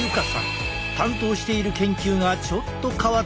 担当している研究がちょっと変わっているという。